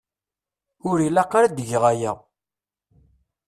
Ur ilaq ara ad geɣ aya.